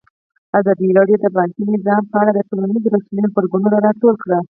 ازادي راډیو د بانکي نظام په اړه د ټولنیزو رسنیو غبرګونونه راټول کړي.